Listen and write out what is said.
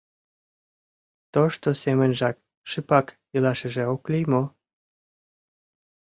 Тошто семынжак шыпак илашыже ок лий мо?